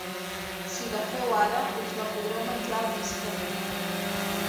Si la feu ara, us la podreu menjar el mes que ve.